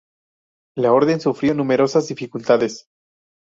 La orden sufrió numerosas dificultades.